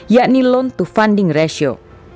yakni loan to funding ratio